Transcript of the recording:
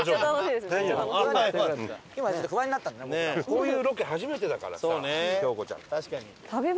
こういうロケ初めてだからさ京子ちゃん。